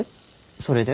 それで？